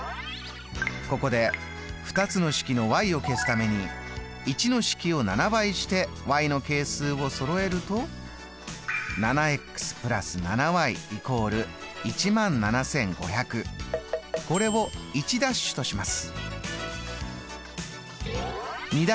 ここで２つの式のを消すために１の式を７倍しての係数をそろえるとこれを１’とします。